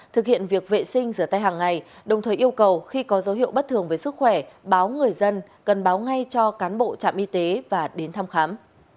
thực hiện việc vệ sinh rửa tay hàng ngày đồng thời yêu cầu khi có dấu hiệu bất thường về sức khỏe báo người dân cần báo ngay cho cán bộ trạm y tế và đến thăm khám